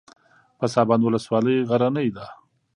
پسابند ولسوالۍ غرنۍ ده؟